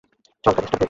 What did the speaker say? চল, গাড়ি স্টার্ট দে।